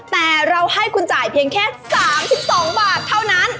แต่เราให้คุณจ่ายเพียงแค่๓๒บาทเท่านั้น